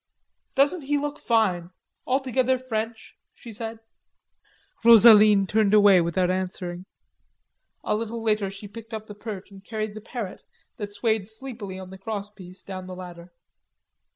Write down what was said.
"Doesn't he look fine, altogether French?" she said. Rosaline turned away without answering. A little later she picked up the perch and carried the parrot, that swayed sleepily on the crosspiece, down the ladder.